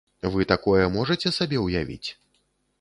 Вы такое можаце сабе ўявіць?